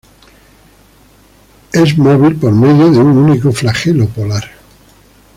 Es móvil por medio de un único flagelo polar.